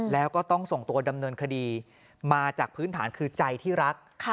แล้วก็ต้องส่งตัวดำเนินคดีมาจากพื้นฐานคือใจที่รัก